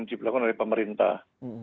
diperlakukan oleh pemerintah